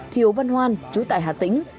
thiếu văn hoan chú tại hà tĩnh